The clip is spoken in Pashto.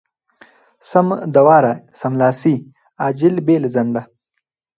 سم د واره= سملاسې، عاجل، بې له ځنډه.